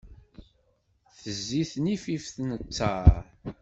Tezzi tnifift n ttaṛ.